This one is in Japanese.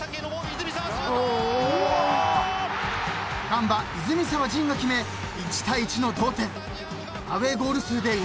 ［ガンバ泉澤仁が決め１対１の同点］